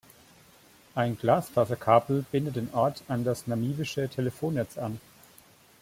Ein Glasfaserkabel bindet den Ort an das namibische Telefonnetz an.